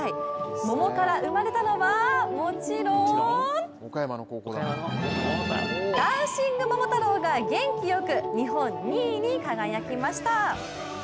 桃から生まれたのはもちろんダンシング桃太郎が元気よく日本２位に輝きました。